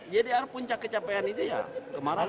jadi puncak kecapean ini ya kemarahan